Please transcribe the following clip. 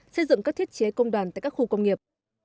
xây dựng các thiết chế công đoàn tại các khu công nghiệp